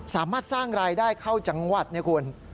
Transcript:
สามารถสร้างรายได้เข้าจังหวัดนะคุณ